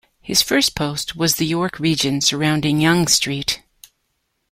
His first post was the York region surrounding Yonge Street.